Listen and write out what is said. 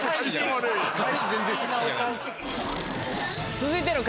続いての壁